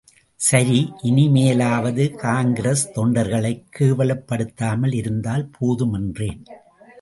சரி, இனிமேலாவது காங்கிரஸ் தொண்டர்களைக் கேவலப் படுத்தாமல் இருந்தால் போதும் என்றேன்.